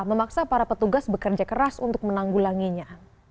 memaksa para petugas bekerja keras untuk menanggulanginya